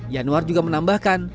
yanuar juga menambahkan